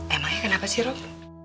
emangnya kenapa sih rom